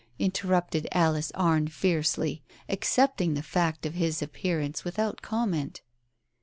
interrupted Alice Arne fiercely, accepting the fact of his appearance without comment.